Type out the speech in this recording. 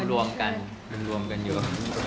มันรวมกันมันรวมกันอยู่